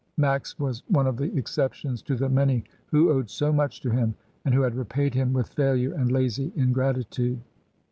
Max was one of the exceptions to the many who owed so much to him and who had repaid him with failure and lazy in gratitude.